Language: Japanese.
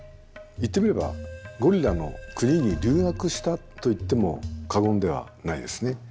言ってみればゴリラの国に留学したと言っても過言ではないですね。